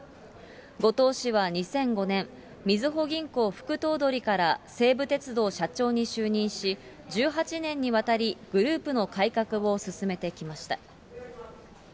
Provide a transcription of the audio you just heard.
後藤氏は２００５年、みずほ銀行副頭取から西武鉄道社長に就任し、１８年にわたり、グループの改革を進めてきました。